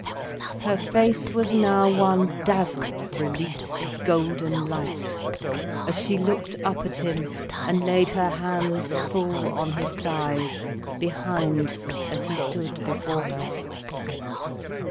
Her face was now one dazzle of released, golden light, as she looked up at him, and laid her hands full on his thighs, behind, as he stood before her.